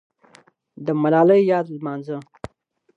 د ملالۍ یاد لمانځه.